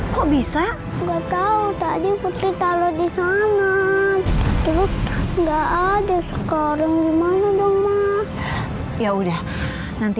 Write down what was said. kok bisa enggak tahu tadi putri kalau di sana enggak ada sekarang gimana dong ya udah nanti